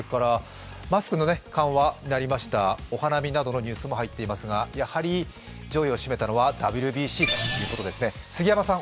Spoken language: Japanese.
マスクの緩和になりましたお花見などのニュースも入っていますがやはり上位を占めたのはＷＢＣということですね。